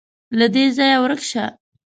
_له دې ځايه ورک شه.